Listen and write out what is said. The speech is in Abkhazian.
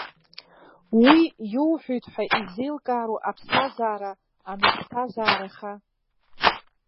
Уи иоуҳәеит ҳәа изеилкаару аԥсҭазаара аныԥсҭазаараха.